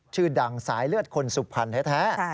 ชื่อดังสายเลือดคนสุพรรณแท้